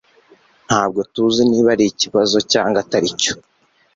Ntabwo tuzi niba ari ikibazo cyangwa atari cyo